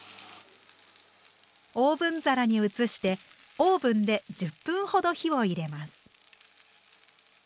オーブン皿に移してオーブンで１０分ほど火を入れます。